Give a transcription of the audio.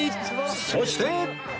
そして